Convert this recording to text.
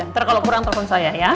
ntar kalau kurang telpon saya ya